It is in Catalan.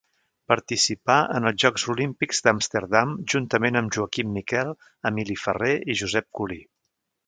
Participà en els Jocs Olímpics d'Amsterdam, juntament amb Joaquim Miquel, Emili Ferrer i Josep Culí.